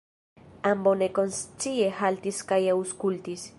Ambaŭ nekonscie haltis kaj aŭskultis.